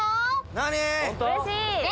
何？